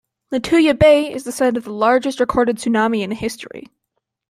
Lituya Bay is the site of the largest recorded tsunami in history.